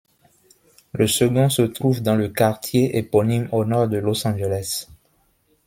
Le second se trouve dans le quartier éponyme au nord de Los Angeles.